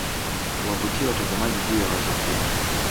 kuwavutia watazamaji juu ya wazo kuu